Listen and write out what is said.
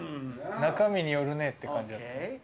中身によるねっていう感じ。